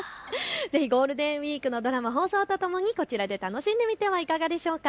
ぜひゴールデンウイークのドラマ放送とともにこちらで楽しんでみてはいかがでしょうか。